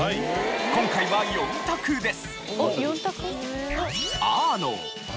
今回は４択です。